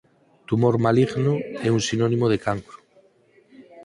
Tumor maligno é un sinónimo de cancro.